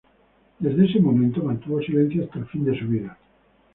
Desde ese momento mantuvo silencio hasta el fin de su vida.